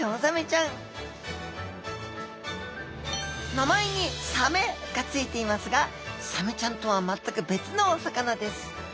名前に「サメ」が付いていますがサメちゃんとは全く別のお魚です。